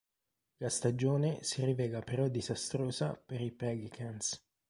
La stagione si rivela però disastrosa per i Pelicans.